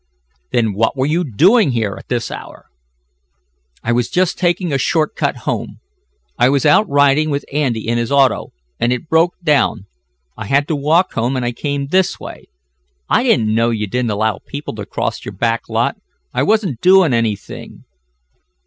"Then what were you doing here, at this hour?" "I was just taking a short cut home. I was out riding with Andy in his auto, and it broke down. I had to walk home, and I came this way. I didn't know you didn't allow people to cross your back lot. I wasn't doin' anything."